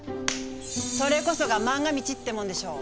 それこそが「まんが道」ってもんでしょう？